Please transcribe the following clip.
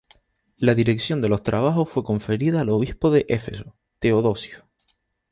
La dirección de los trabajos fue conferida al obispo de Éfeso, Teodosio.